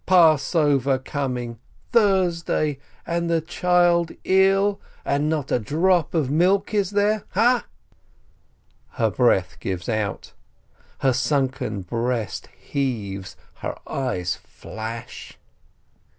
"Passover coming — Thursday — and the child ill — and not a drop of milk is there. Ha ?" Her breath gives out, her sunken breast heaves, her eyes flash.